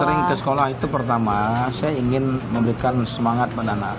sering ke sekolah itu pertama saya ingin memberikan semangat mbak nana